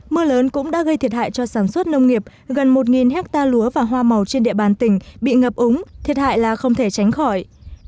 mưa lớn cũng đã gây thiệt hại cho sản xuất nông nghiệp gần một hectare lúa và hoa màu trên địa bàn tỉnh bị ngập úng thiệt hại là không thể tránh khỏi